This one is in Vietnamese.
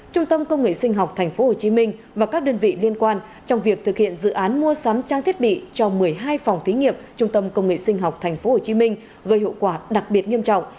trung tâm công nghệ sinh học tp hcm và các đơn vị liên quan trong việc thực hiện dự án mua sắm trang thiết bị cho một mươi hai phòng thí nghiệm trung tâm công nghệ sinh học tp hcm gây hậu quả đặc biệt nghiêm trọng